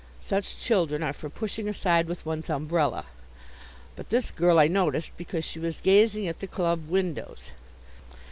Such children are for pushing aside with one's umbrella; but this girl I noticed because she was gazing at the club windows.